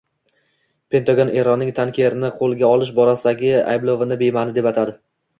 Pentagon Eronning tankerni qo‘lga olish borasidagi ayblovini bema’ni deb atadi